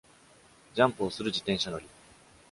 ジャンプをする自転車乗り。